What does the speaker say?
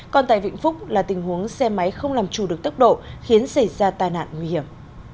còn tại vĩnh phúc là tình huống xe máy không làm trù được tốc độ khiến xảy ra tai nạn nguy hiểm